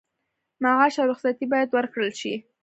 معاش او رخصتي باید ورکړل شي.